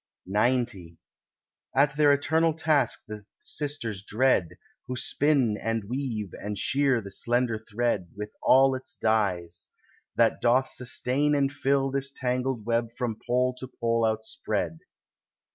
XC At their eternal task the sisters dread, Who spin and weave and shear the slender thread With all its dyes, that doth sustain and fill This tangled web from pole to pole outspread.